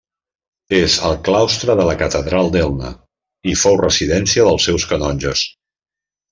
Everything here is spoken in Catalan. És el claustre de la catedral d'Elna i fou residència dels seus canonges.